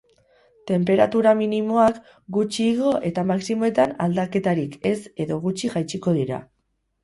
Tenperatura minimoak gutxi igo eta maximoetan, aldaketarik ez edo gutxi jaitsiko dira.